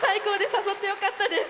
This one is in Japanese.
誘ってよかったです。